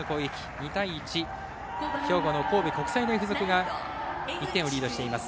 ２対１、兵庫の神戸国際大付属が１点をリードしています。